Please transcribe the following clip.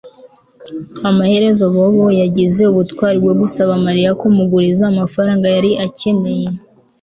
Amaherezo Bobo yagize ubutwari bwo gusaba Mariya kumuguriza amafaranga yari akeneye